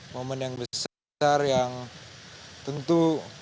momen yang besar yang tentu